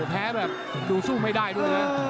แพ้แบบดูสู้ไม่ได้ด้วยนะ